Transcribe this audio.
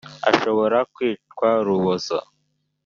ashobora kwicwa urubozo.